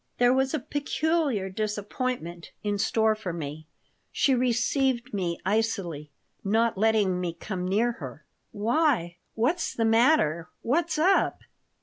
There was a peculiar disappointment in store for me. She received me icily, not letting me come near her "Why, what's the matter? What's up?"